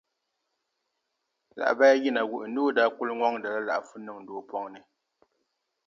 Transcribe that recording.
Lahabaya yina wuhi ni o daa kuli ŋɔŋdila laɣ'fu niŋdi o pɔŋ'ni.